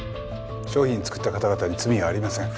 商品を作った方々に罪はありません。